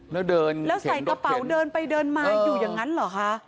ใส่กระเป๋าเดินไปมองอยู่อย่างนั้นเหรอค่ะ